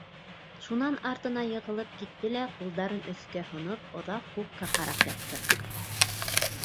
Шунан артына йығылып китте лә, ҡулдарын өҫкә һоноп оҙаҡ күккә ҡарап ятты.